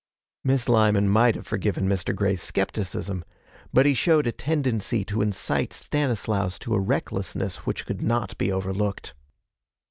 Miss Lyman might have forgiven Mr. Grey's skepticism, but he showed a tendency to incite Stanislaus to a recklessness which could not be overlooked.